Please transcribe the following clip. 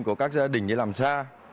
của các gia đình để làm xa